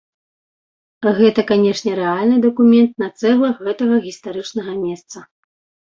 Гэта, канешне, рэальны дакумент на цэглах гэтага гістарычнага месца.